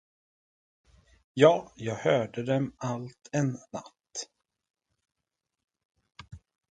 Ja, jag hörde dem allt en natt.